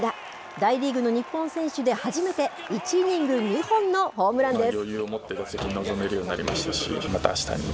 大リーグの日本選手で初めて、１イニング２本のホームランです。